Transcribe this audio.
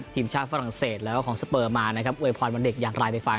ทีมชาติฝรั่งเศสและของสเปอร์มาเอวยพรบันเด็กอย่างไรไปฟัง